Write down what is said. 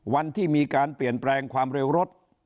วันที่มีการเปลี่ยนแปลงความเร็วรถ